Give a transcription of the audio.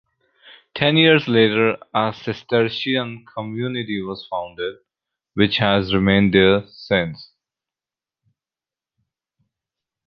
Ten years later, a Cistercian community was founded, which has remained there since.